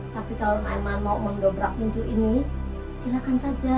tapi kalau naeman mau mendobrak pintu ini silakan saja